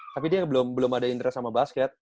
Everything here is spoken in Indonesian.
tapi dia belum ada indra sama basket